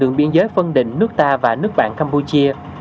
đường biên giới phân định nước ta và nước bạn campuchia